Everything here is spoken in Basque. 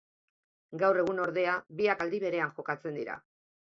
Gaur egun ordea, biak aldi berean jokatzen dira.